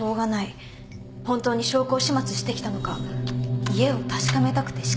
本当に証拠を始末してきたのか家を確かめたくて仕方がない。